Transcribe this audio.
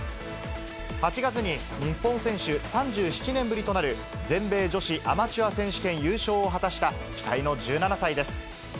８月に日本選手３７年ぶりとなる、全米女子アマチュア選手権優勝を果たした期待の１７歳です。